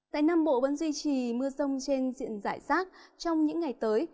tại nam bộ vẫn duy trì mưa rông trên diện giải rác trong những ngày tới